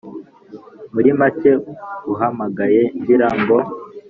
murimake nguhamagaye ngira ngo